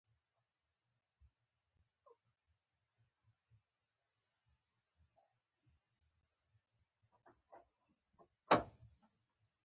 دا واښه دي چې تر پښو لاندې کېږي.